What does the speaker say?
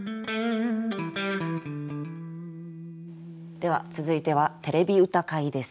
では続いては「てれび歌会」です。